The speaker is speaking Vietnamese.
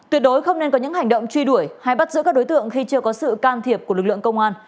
tuyệt đối không nên có những hành động truy đuổi hay bắt giữ các đối tượng khi chưa có sự can thiệp của lực lượng công an